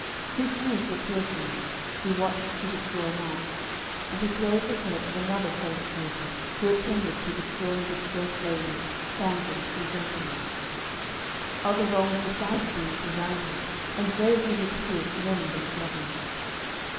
He slew Sir Turquine, who watched to destroy knights, and he clove the head of another false traitor who attended to destroy and distress ladies, damsels, and gentlewomen. Other wrongs besides these he righted, and bravely withstood many a struggle.